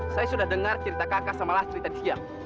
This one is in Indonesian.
saya sudah dengar cerita kaka sama lastri tadi siang